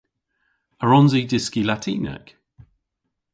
A wrons i dyski Latinek?